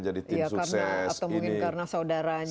jadi tim sukses ini karena saudaranya